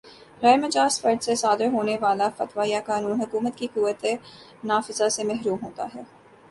غیر مجاز فرد سے صادر ہونے والا فتویٰ یا قانون حکومت کی قوتِ نافذہ سے محروم ہوتا ہے